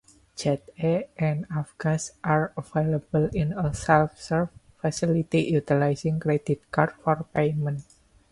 Jet-A and Avgas are available in a self-serve facility utilizing credit cards for payment.